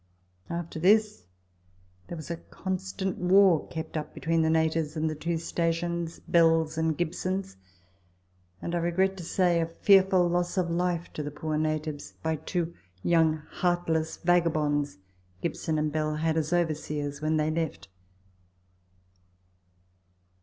After this, there was a constant war kept up between the natives and the iwo stations Bell's and Gibson's and, I regret to say, a fearful loss of life to the poor natives by two young heartless vagabonds Gibson and Bell had as overseers when they left.